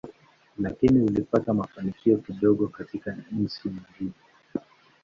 Lakini ulipata mafanikio kidogo katika nchi nyingine.